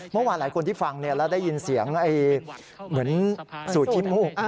เมื่อวานหลายคนที่ฟังแล้วได้ยินเสียงเหมือนสูตรชิมูก